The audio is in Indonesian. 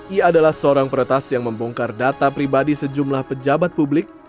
ia adalah seorang peretas yang membongkar data pribadi sejumlah pejabat publik